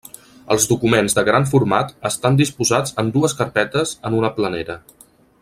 Els documents de gran format estan disposats en dues carpetes en una planera.